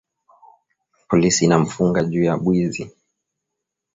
Polisi inamufunga juya bwizi